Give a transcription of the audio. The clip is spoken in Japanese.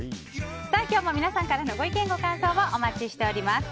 今日も皆さんからのご意見、ご感想をお待ちしています。